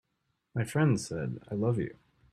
My friend said: "I love you.